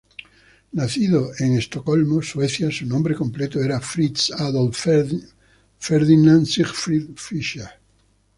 Nacido en Estocolmo, Suecia, su nombre completo era Fritz Adolf Ferdinand Siegfried Fischer.